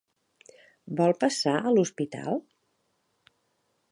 Vol passar a l'hospital?